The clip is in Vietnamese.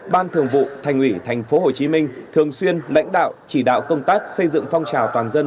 ban thường vụ thành ủy tp hcm thường xuyên lãnh đạo chỉ đạo công tác xây dựng phong trào toàn dân